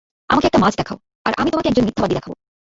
আমাকে একটা মাছ দেখাও, আর আমি তোমাকে একজন মিথ্যাবাদী দেখাব।